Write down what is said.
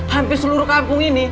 hampir seluruh kampung ini